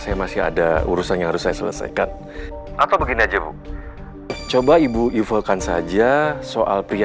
mama cepetan dong kasih tau aku kesutannya apa